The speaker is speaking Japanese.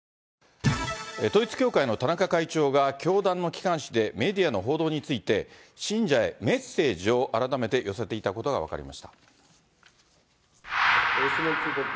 統一教会の田中会長が、教団の機関紙でメディアの報道について、信者へメッセージを改めて寄せていたことが分かりました。